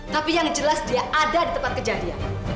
tapi yang jelas dia ada di tempat kejadian